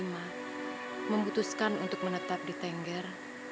memutuskan untuk menetap di tengger